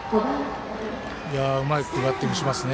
うまいバッティングします。